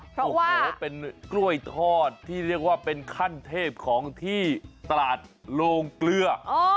โอ้โหเป็นกล้วยทอดที่เรียกว่าเป็นขั้นเทพของที่ตลาดโรงเกลือ